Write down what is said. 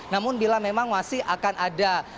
namun bila memang masih akan ada